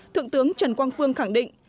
thượng tướng trần quang phương khẳng định